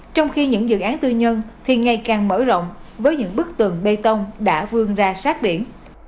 trong khi những dự án tư nhân thì ngày càng mở rộng với những bức tường bê tông đã vương ra sát biển